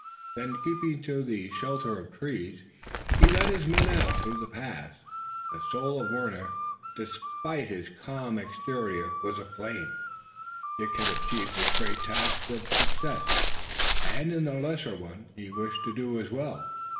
Then keeping to the shelter of trees he led his men out through the pass, and the soul of Warner, despite his calm exterior, was aflame. Dick had achieved his great task with success, and, in the lesser one, he wished to do as well.